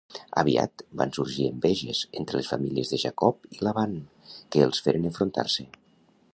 Aviat van sorgir enveges entre les famílies de Jacob i Laban que els feren enfrontar-se.